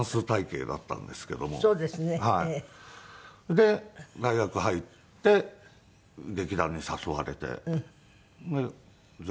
で大学入って劇団に誘われてじゃあ。